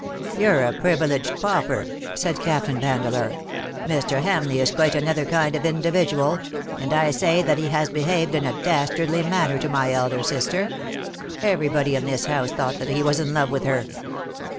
'^^ '^You^re a privileged pauper/ ' said Captain Vandeleur ;" Mr. Hamleigh is quite another kind of individual — and I say that he has behaved in a dastardly manner to my elder sister. Everybody in this house thought that he was in love with her.